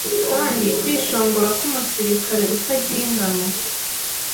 Kandi kwishongora kumusirikare utagira ingano